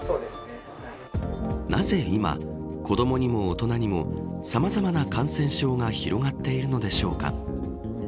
なぜ今、子どもにも大人にもさまざまな感染症が広がっているのでしょうか。